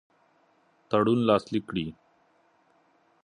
تړون لاسلیک کړي.